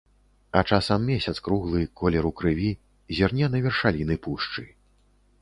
А часам месяц круглы, колеру крыві, зірне на вершаліны пушчы.